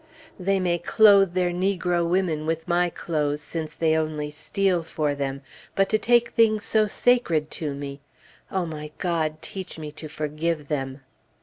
They may clothe their negro women with my clothes, since they only steal for them; but to take things so sacred to me! O my God, teach me to forgive them!